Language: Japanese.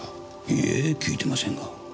いいえ聞いてませんが。